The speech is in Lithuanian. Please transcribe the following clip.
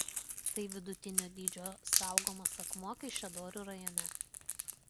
Tai vidutinio dydžio saugomas akmuo Kaišiadorių rajone.